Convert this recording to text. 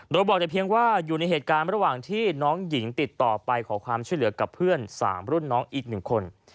โดยบอกแต่เพียงว่าอยู่ในเหตุการณ์ระหว่างที่น้องหญิงติดต่อไปขอความช่วยเหลือกับเพื่อน๓รุ่นน้องอีก๑คน